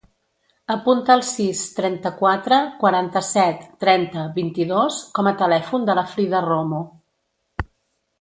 Apunta el sis, trenta-quatre, quaranta-set, trenta, vint-i-dos com a telèfon de la Frida Romo.